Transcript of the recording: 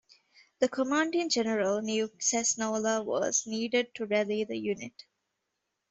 The commanding general knew Cesnola was needed to rally the unit.